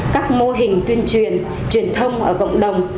các mô hình tuyên truyền truyền thông ở cộng đồng